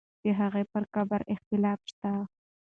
د هغې پر قبر اختلاف شته.